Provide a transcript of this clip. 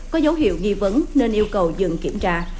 có dấu hiệu nghi vấn nên yêu cầu dừng kiểm tra